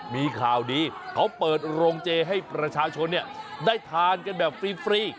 มีข่าวดีเขาเปิดโรงเจให้ประชาชนได้ทานกันแบบฟรี